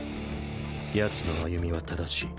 奴の歩みは正しい。